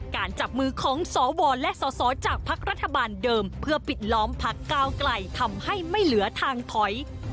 จับมือของสวและสอสอจากภักดิ์รัฐบาลเดิมเพื่อปิดล้อมพักก้าวไกลทำให้ไม่เหลือทางถอย